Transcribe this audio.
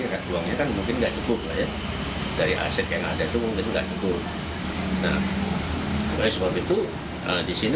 ada suami kan mungkin gak cukup dari aset yang ada itu mungkin gak cukup nah sebab itu disini